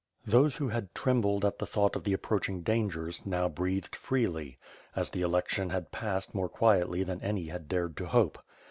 Those who had trembled at the thought of the approaching dangers, now breathed freely; as the election had passed more quietly than any had dared to hope.